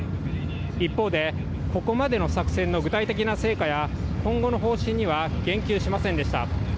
一方で、ここまでの作戦の具体的な成果や、今後の方針には言及しませんでした。